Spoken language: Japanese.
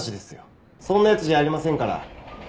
そんな奴じゃありませんから。